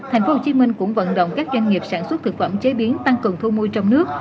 thành phố hồ chí minh cũng vận động các doanh nghiệp sản xuất thực phẩm chế biến tăng cường thu mua trong nước